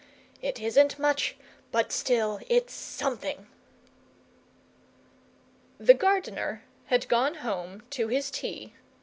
It isn't much but still it's SOMETHING!" The gardener had gone home to his tea.